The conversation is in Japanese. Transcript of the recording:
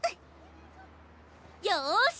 よし！